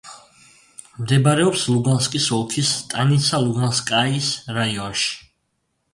მდებარეობს ლუგანსკის ოლქის სტანიცა-ლუგანსკაიის რაიონში.